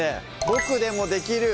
「ボクでもできる！